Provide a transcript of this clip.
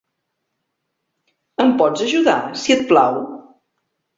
Em pots ajudar, si et plau?